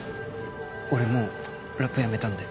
俺もうラップやめたんで。